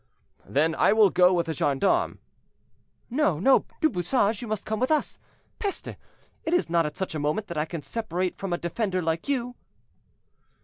"Then I will go with a gendarme." "No, no, Du Bouchage; you must come with us. Peste! it is not at such a moment that I can separate from a defender like you."